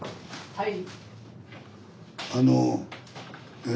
はい。